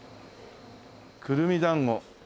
くるみだんご。